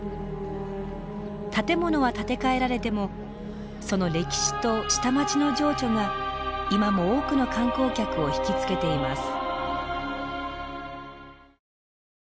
建物は建て替えられてもその歴史と下町の情緒が今も多くの観光客を引き付けています。